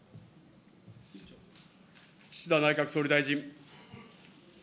岸田内閣総理大臣。